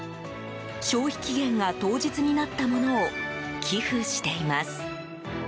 消費期限が当日になったものを寄付しています。